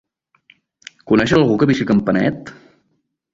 Coneixes algú que visqui a Campanet?